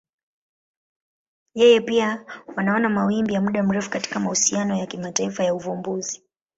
Yeye pia wanaona mawimbi ya muda mrefu katika mahusiano ya kimataifa ya uvumbuzi.